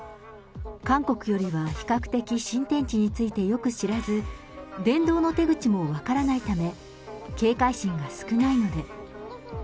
韓国よりは比較的、新天地についてよく知らず、伝道の手口も分からないため、警戒心が少ないので。